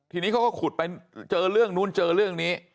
ทีนี้เขาก็ขุดไปเจอเรื่องนู้นเจอเรื่องนี้